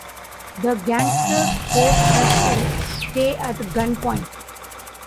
The gangsters force her to stay at gunpoint.